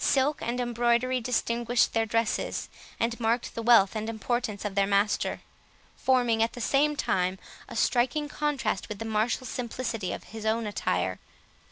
Silk and embroidery distinguished their dresses, and marked the wealth and importance of their master; forming, at the same time, a striking contrast with the martial simplicity of his own attire.